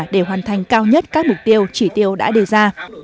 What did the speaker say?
để hoàn thành cao nhất các mục tiêu chỉ tiêu đã đề ra